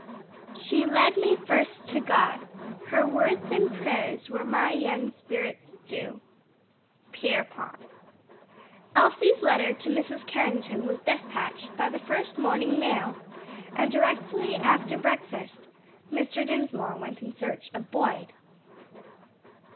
"She led me first to God; Her words and prayers were my young spirit's dew." Pierpont. Elsie's letter to Mrs. Carrington was despatched by the first morning mail, and directly after breakfast Mr. Dinsmore went in search of Boyd.